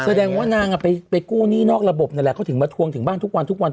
แสดงว่านางไปกู้หนี้นอกระบบนั่นแหละเขาถึงมาทวงถึงบ้านทุกวันทุกวัน